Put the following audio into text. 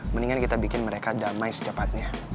mendingan kita bikin mereka damai secepatnya